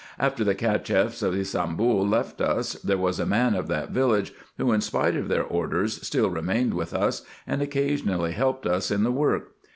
After the Cacheffs of Ybsambul left us, there was a man of that village, who, in spite of their orders, still remained with us, and occasionally helped us in the work.